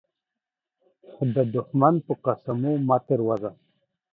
د دښمن په قسمو مه تير وزه.